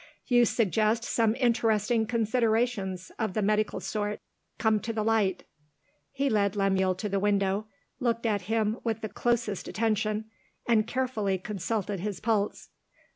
You suggest some interesting considerations, of the medical sort. Come to the light." He led Lemuel to the window looked at him with the closest attention and carefully consulted his pulse.